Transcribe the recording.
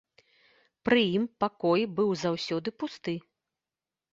Пры ім пакой быў заўсёды пусты.